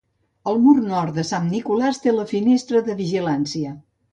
El mur nord de Sant Nicolàs té la "Finestra de Vigilància".